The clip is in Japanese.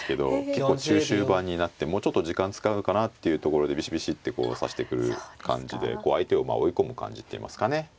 結構中終盤になってもうちょっと時間使うのかなっていうところでビシビシッてこう指してくる感じで相手をまあ追い込む感じっていいますかね。